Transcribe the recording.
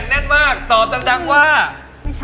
นี่หนักแน่นมากตอบดังว่า